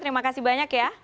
terima kasih banyak ya